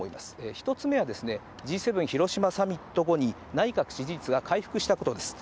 １つ目はＧ７広島サミット後に、内閣支持率が回復したことです。